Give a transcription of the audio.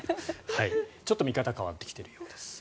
ちょっと見方が変わってきているようです。